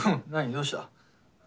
どうした？